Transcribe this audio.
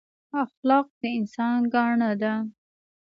اخلاق د انسان ګاڼه ده